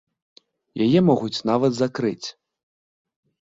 Яе могуць нават закрыць.